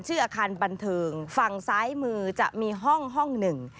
ชื่ออาคารบันเทิงฝั่งซ้ายมือจะมีห้องห้องหนึ่ง